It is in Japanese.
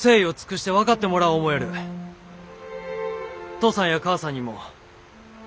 父さんや母さんにも。